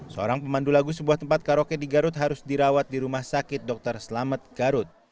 seorang pemandu lagu sebuah tempat karaoke di garut harus dirawat di rumah sakit dr selamet garut